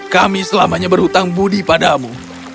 kami selamanya berhutang budi padamu